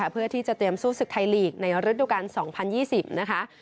เพื่อที่จะเตรียมสู้ศึกไทยลีกในฤดูกาล๒๐๒๐นะคะ